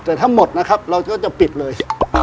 แต่ถ้าหมดนะครับเราก็จะปิดเลย